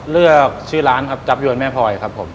เลือกชื่อร้านครับจับยวนแม่พลอยครับผม